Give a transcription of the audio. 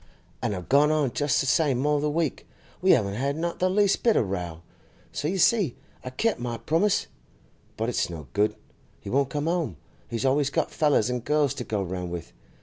An' I've gone on just the same all the week; we haven't had not the least bit of a row; so you see I kep' my promise. But it's no good; he won't come 'ome; he's always got fellers an' girls to go round with.